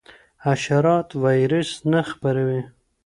حشرات وایرس نه خپروي.